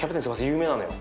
有名なのよ。